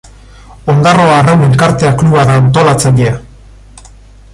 Ondarroa Arraun Elkartea kluba da antolatzailea.